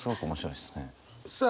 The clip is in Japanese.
さあ